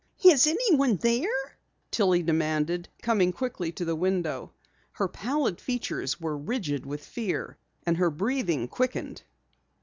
"Is anyone there?" Tillie demanded, coming quickly to the window. Her pallid features were rigid with fear and her breathing quickened.